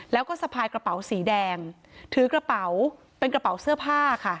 แล้วก็สะพายกระเป๋าสีแดงถือกระเป๋าเป็นกระเป๋าเสื้อผ้าค่ะ